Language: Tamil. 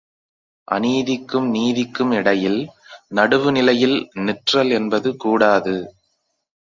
அநீதிக்கும் நீதிக்கும் இடையில் நடுவுநிலையில் நிற்றல் என்பது கூடாது.